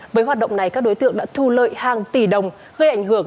với hoạt động này các đối tượng đã thu lợi hàng tỷ đồng gây ảnh hưởng